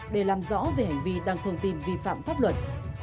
để làm rõ về hành vi đăng thông tin vi phạm pháp luật